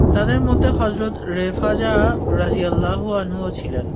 তাদের মধ্যে হযরত রেফায়া রাযিয়াল্লাহু আনহুও ছিল।